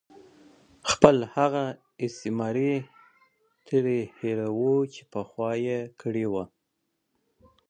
خپل هغه استثمار ترې هېر وو چې پخوا یې کړې وه.